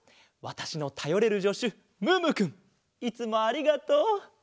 わたしのたよれるじょしゅムームーくんいつもありがとう。